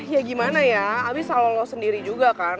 ya gimana ya abis kalau lo sendiri juga kan